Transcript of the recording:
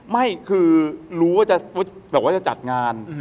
ไม่คือรู้ว่าจะจัดงาน